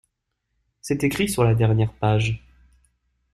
C’est écrit sur la dernière page.